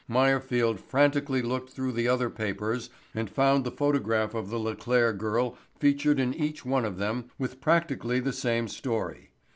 Meyerfield frantically looked through the other papers and found the photograph of the Le Claire girl featured in each one of them with practically the same story.